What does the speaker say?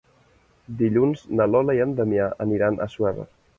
Dilluns na Lola i en Damià aniran a Assuévar.